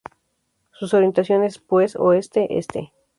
Su orientación es, pues, Oeste-Este.